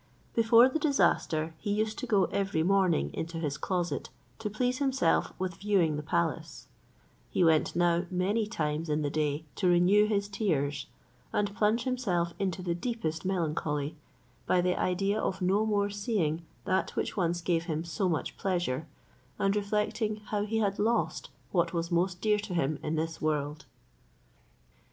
Before the disaster he used to go every morning into his closet to please himself with viewing the palace, he went now many times in the day to renew his tears, and plunge himself into the deepest melancholy, by the idea of no more seeing that which once gave him so much pleasure, and reflecting how he had lost what was most dear to him in this world.